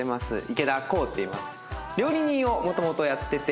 池田航っていいます。